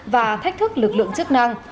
và thách thức lực lượng chức năng